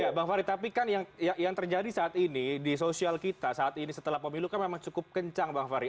ya bang fahri tapi kan yang terjadi saat ini di sosial kita saat ini setelah pemilu kan memang cukup kencang bang fahri